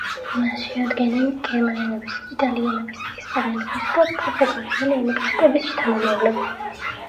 მას შეადგენენ გერმანელების, იტალიელების, ესპანელებისა და პორტუგალიელი ემიგრანტების შთამომავლები.